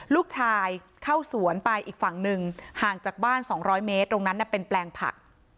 ลูกชายเข้าสวนไปอีกฝั่งหนึ่งห่างจากบ้าน๒๐๐เมตรตรงนั้นเป็นแปลงผัก